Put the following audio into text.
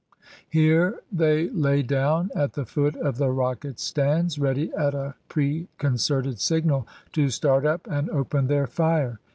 Here they lay down at the foot of the rocket stands, ready at a preconcerted signal to start up and open their fire.